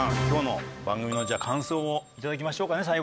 今日の番組のじゃあ感想を頂きましょうかね